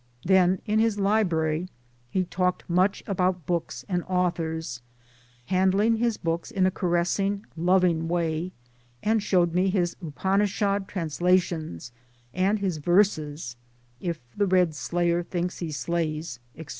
Then in his library he talked much about books and authors handling his books in a caressing loving way and showed me his Upanishad translations, and his verses " If the red slayer thinks he slays," etc.